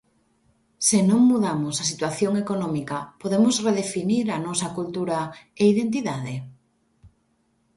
Se non mudamos a situación económica podemos redefinir a nosa cultura e identidade?